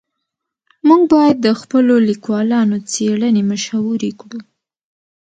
موږ باید د خپلو لیکوالانو څېړنې مشهورې کړو.